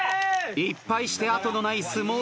１敗して後のないスモール３田中。